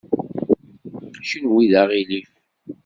Kenwi d aɣilif.